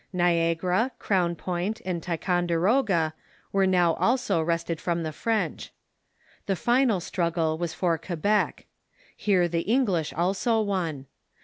Niagara, Crown Point, and Ticonderoga were now also wrested from the French. The final struggle was for Quebec. Here the English also won.